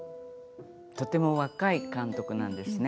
とても若い監督なんですね。